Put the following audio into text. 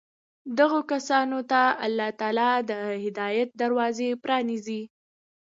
دغو كسانو ته الله تعالى د هدايت دروازې پرانېزي